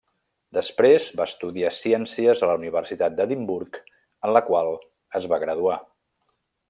Després va estudiar ciències a la universitat d'Edimburg en la qual es va graduar.